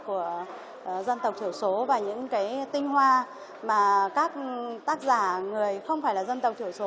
của dân tộc thiểu số và những cái tinh hoa mà các tác giả người không phải là dân tộc thiểu số